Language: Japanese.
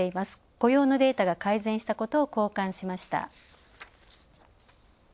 雇用のデータが改善したことを好感しました。